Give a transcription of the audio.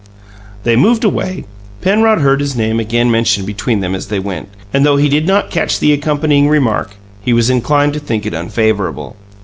They moved away. Penrod heard his name again mentioned between them as they went, and, though he did not catch the accompanying remark, he was inclined to think it unfavourable.